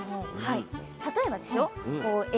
例えばですよ